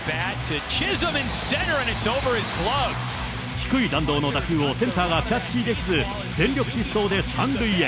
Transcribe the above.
低い弾道の打球をセンターがキャッチできず、全力疾走で３塁へ。